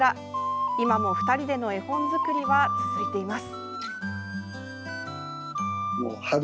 今も２人での絵本作りは続いています。